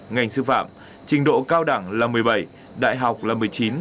ngành sư phạm trình độ cao đẳng là một mươi bảy đại học là một mươi chín